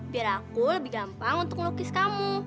biar aku lebih gampang untuk melukis kamu